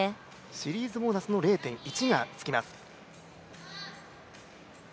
シリーズボーナスの０．１がつきます。